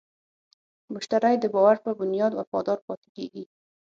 مشتری د باور په بنیاد وفادار پاتې کېږي.